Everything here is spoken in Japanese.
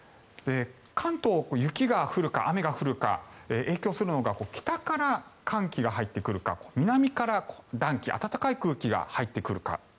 関東、雪が降るか雨が降るのかに影響するのが北から寒気が入ってくるか南から暖気、暖かい空気が入ってくるか。